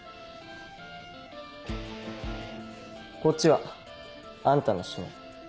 こっちはあんたの指紋。